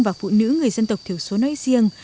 và phụ nữ người dân tộc thiểu số nói riêng